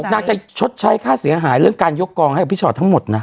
นางจะชดใช้ค่าเสียหายเรื่องการยกกองให้กับพี่ชอตทั้งหมดนะ